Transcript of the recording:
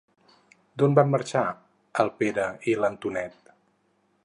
D'on van marxar el Pere i l'Antonet?